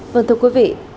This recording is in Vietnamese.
vâng thưa quý vị